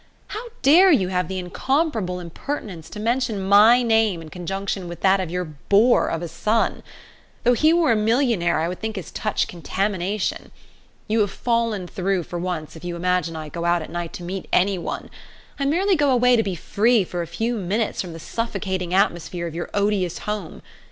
How dare you have the incomparable impertinence to mention my name in conjunction with that of your boor of a son. Though he were a millionaire I would think his touch contamination. You have fallen through for once if you imagine I go out at night to meet any one I merely go away to be free for a few minutes from the suffocating atmosphere of your odious home.